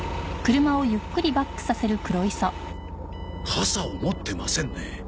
傘を持ってませんね。